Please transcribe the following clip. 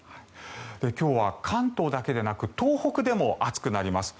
今日は関東だけでなく東北でも暑くなります。